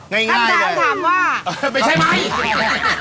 ตัวเลขเกี่ยวกับตัวเลขง่ายเลยนะครับคำถามว่า